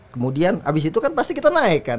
kemudian abis itu kan pasti kita naik kan